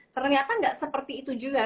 ternyata nggak seperti itu juga